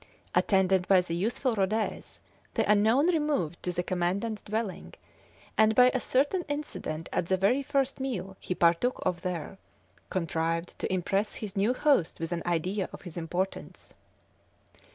Attended by the useful Rhodez, the unknown removed to the commandant's dwelling, and by a certain incident at the very first meal he partook of there, contrived to impress his new host with an idea of his importance.